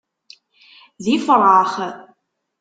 D ifṛax.